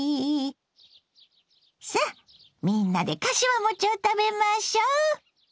さっみんなでかしわ餅を食べましょう。